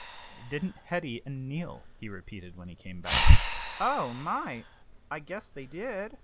"Didn't Hetty and Neal?" he repeated, when he came back. "Oh, my! I guess they did!"